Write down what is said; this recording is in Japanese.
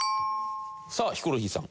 さあヒコロヒーさん。